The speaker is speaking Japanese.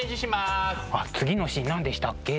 あっ次のシーン何でしたっけ？